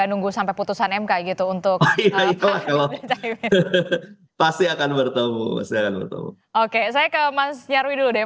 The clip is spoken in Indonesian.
oke saya ke mas nyarwi dulu deh